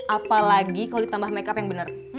apalagi kalau ditambah makeup yang bener